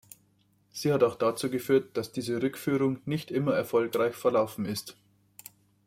Sie hat auch dazu geführt, dass diese Rückführung nicht immer erfolgreich verlaufen ist.